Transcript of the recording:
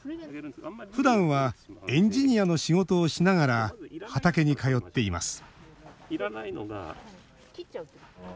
ふだんはエンジニアの仕事をしながら畑に通っています